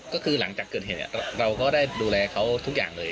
ก็คือหลังจากเกิดเหตุเราก็ได้ดูแลเขาทุกอย่างเลย